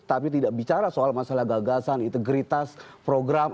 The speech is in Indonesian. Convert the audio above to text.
tapi tidak bicara soal masalah gagasan integritas program